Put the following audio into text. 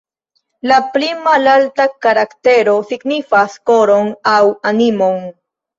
La pli malalta karaktero signifas "koron" aŭ "animon".